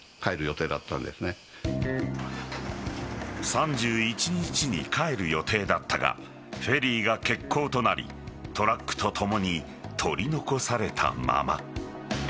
３１日に帰る予定だったがフェリーが欠航となりトラックとともに取り残されたまま。